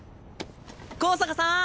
香坂さん